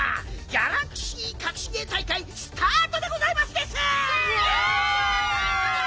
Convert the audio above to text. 「ギャラクシーかくし芸大会」スタートでございますです！キャ！